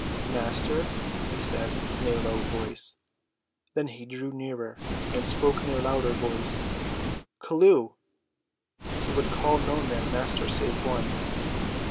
"Master," he said, in a low voice. Then he drew nearer, and spoke in a louder voice; "Chelluh." He would call no man master save one.